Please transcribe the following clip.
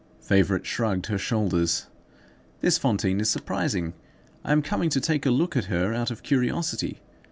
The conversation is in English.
Favourite shrugged her shoulders. "This Fantine is surprising. I am coming to take a look at her out of curiosity.